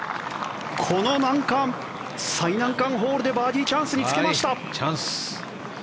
この難関、最難関ホールでバーディーチャンスにつけました。